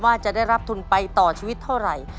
ว่าจะได้รับทุนไปต่อชีวิตเท่าไหร่